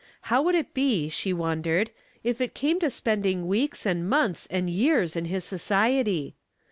How would it be, she wondered, if it came to spending weeks and months and years in his society.